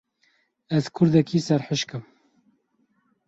Ez kurdekî serhişk im.